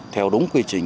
theo đúng quy trình